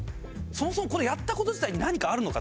そもそもこのやった事自体に何かあるのかと。